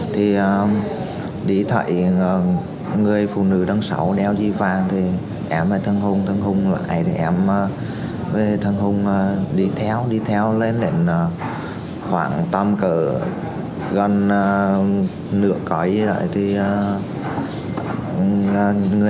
thì đi thầy người phụ nữ đăng sáu đeo chi phang thì em với thân hùng thân hùng lại thì em với thân hùng đi theo đi theo lên đến khoảng tăm cửa gần nửa cây vậy đó